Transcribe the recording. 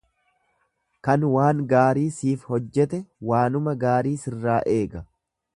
Kan waan gaarii siif hojjete waanuma gaarii sirraa eega.